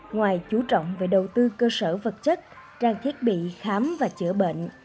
ngoài chú trọng về đầu tư cơ sở vật chất trang thiết bị khám và chữa bệnh